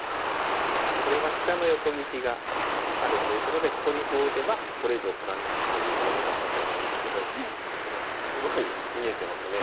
これは飛車の横利きがあるということでここに歩を打てばこれ以上来られないという読みだったと思うんですけどすごい見えてますね。